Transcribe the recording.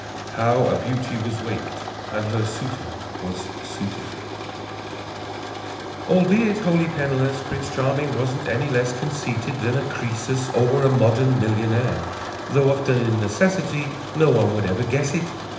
_ How a Beauty was Waked and Her Suitor was Suited Albeit wholly penniless, Prince Charming wasn't any less Conceited than a Croesus or a modern millionaire: Though often in necessity, No one would ever guess it.